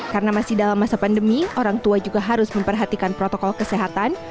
karena masih dalam masa pandemi orang tua juga harus memperhatikan protokol kesehatan